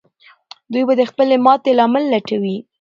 دوی به د خپلې ماتې لامل لټوي.